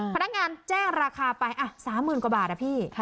พนักงานแจ้งราคาไป๓๐๐๐กว่าบาทอะพี่